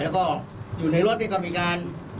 แล้วก็อยู่ในรถในกรรมอิงาน